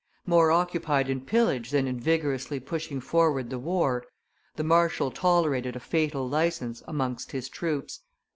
More occupied in pillage than in vigorously pushing forward the war, the marshal tolerated a fatal license amongst his troops.